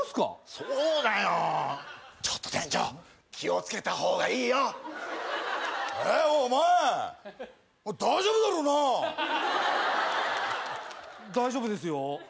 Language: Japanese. そうだよちょっと店長気をつけた方がいいよえっお前大丈夫だろうな大丈夫ですよ